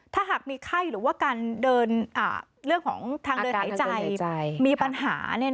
ถ้าหากมีไข้หรือว่าการเดินเรื่องของทางเดินหายใจมีปัญหา